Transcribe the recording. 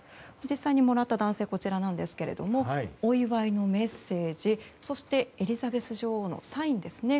実際にもらった男性ですがお祝いのメッセージ、そしてエリザベス女王のサインですね。